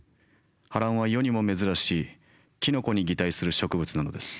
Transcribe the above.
ハランは世にも珍しいキノコに擬態する植物なのです。